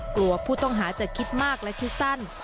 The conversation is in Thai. กลัวผู้ต้องหาจะคิดมากและคิดสั้น